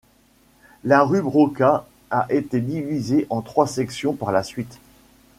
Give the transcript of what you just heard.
La rue Broca a été divisée en trois sections par la suite.